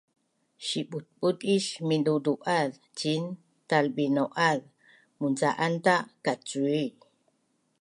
sibutbut is mindudu’az ciin talbinau’az mun ca’an ta kacui